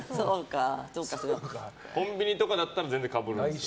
コンビニとかだったら全然かぶるんですか。